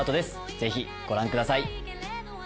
ぜひご覧ください